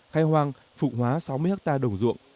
khai hoang phục hóa sáu mươi hectare đồng ruộng